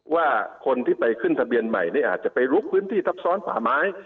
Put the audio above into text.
ว่าคนที่ไปขึ้นทะเบียนใหม่นี่อาจจะไปลุกพื้นที่ทับซ้อนป่าไม้